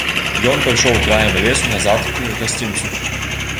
Ён пайшоў краем лесу назад к гасцінцу.